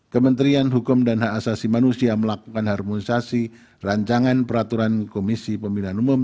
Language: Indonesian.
kementerian hukum dan hak asasi manusia melakukan harmonisasi rancangan peraturan komisi pemilihan umum